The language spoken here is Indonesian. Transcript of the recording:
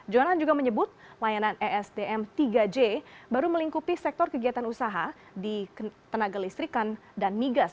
jonan juga menyebut layanan esdm tiga j baru melingkupi sektor kegiatan usaha di ketenaga listrikan dan migas